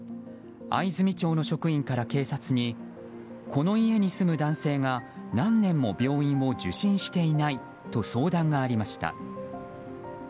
藍住町の職員から警察にこの家に住む男性が何年も病院を受診していないと相談がありました。